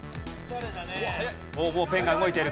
おおもうペンが動いている。